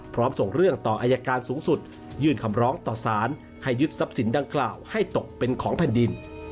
ส่งเรื่องต่ออายการสูงสุดยื่นคำร้องต่อสารให้ยึดทรัพย์สินดังกล่าวให้ตกเป็นของแผ่นดิน